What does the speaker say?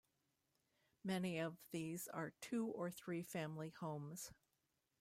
Many of these are two or three family homes.